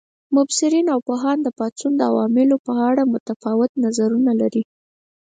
مبصرین او پوهان د پاڅون د عواملو په اړه متفاوت نظرونه لري.